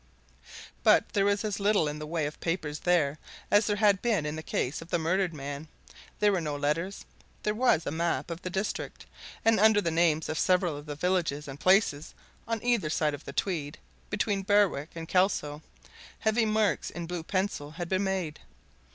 But there was as little in the way of papers there, as there had been in the case of the murdered man. There were no letters. There was a map of the district, and under the names of several of the villages and places on either side of the Tweed, between Berwick and Kelso, heavy marks in blue pencil had been made.